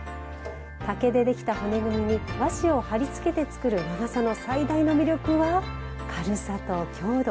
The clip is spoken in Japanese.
竹でできた骨組みに和紙を張り付けて作る和傘の最大の魅力は軽さと強度。